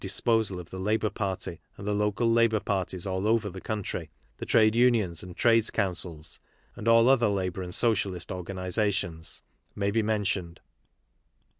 disposal of the Labour Party and the Local Labour Parties all over the covmtry, the Trade Unions and Trades Cotmcils, and aU other Labour and Socialist organizations), may be mentioned